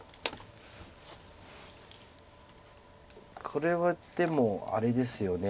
これはでもあれですよね。